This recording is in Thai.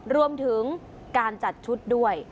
รวมถึงการจัดชุดด้วย